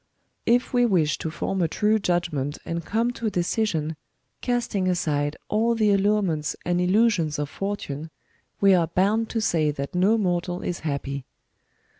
If we wish to form a true judgment and come to a decision, casting aside all the allurements and illusions of fortune, we are bound to say that no mortal is happy.